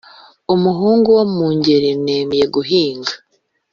Umuhungu wo mu ngeri nemeye guhiga,